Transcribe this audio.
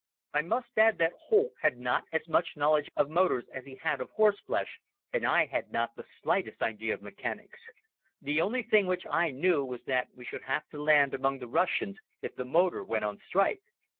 I must add that Holck had not as much knowledge of motors as he had of horseflesh and I had not the slightest idea of mechanics. The only thing which I knew was that we should have to land among the Russians if the motor went on strike.